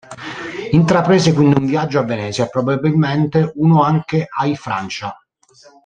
Intraprese quindi un viaggio a Venezia e probabilmente uno anche ai Francia.